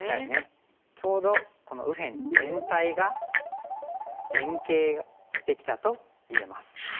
ちょうどこの右辺全体が連携してきたと言えます。